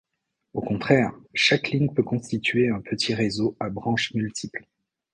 Au contraire, chaque ligne peut constituer un petit réseau à branches multiples.